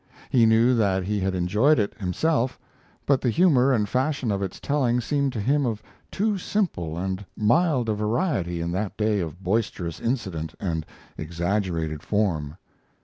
He knew that he had enjoyed it himself, but the humor and fashion of its telling seemed to him of too simple and mild a variety in that day of boisterous incident and exaggerated form.